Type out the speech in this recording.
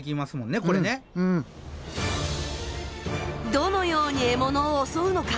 どのように獲物を襲うのか。